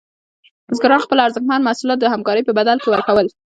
بزګران خپل ارزښتمن محصولات د همکارۍ په بدل کې ورکول.